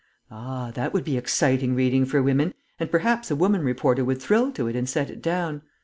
... Ah, that would be exciting reading for women, and perhaps a woman reporter would thrill to it and set it down.